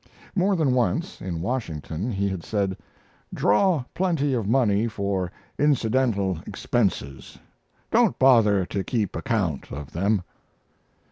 More than once, in Washington, he had said: "Draw plenty of money for incidental expenses. Don't bother to keep account of them."